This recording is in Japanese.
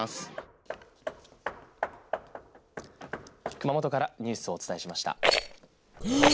熊本からニュースをお伝えしました。